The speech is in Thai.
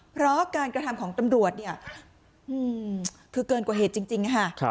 เพราะการกระทำของตำรวจเนี่ยคือเกินกว่าเหตุจริงค่ะ